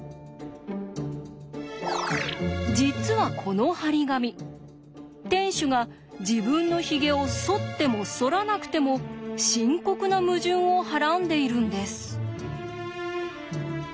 実はこの貼り紙店主が自分のヒゲをそってもそらなくても深刻な矛盾をはらんでいるんです。